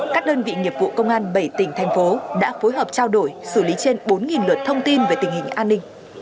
các đơn vị nghiệp vụ công an bảy tỉnh thành phố đã phối hợp trao đổi xử lý trên bốn lượt thông tin về tình hình an ninh